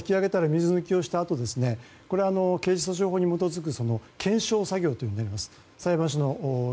このあと引き揚げたり水抜きをしたあと刑事訴訟後に基づく検証作業となります。